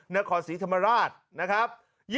นครศรีธรรมราชนะครับ